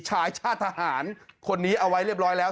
ชายชาติทหารคนนี้เอาไว้เรียบร้อยแล้ว